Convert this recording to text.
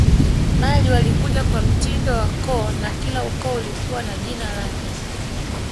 Bali walikuja kwa mtindo wa koo na kila ukoo ulikuwa na jina lake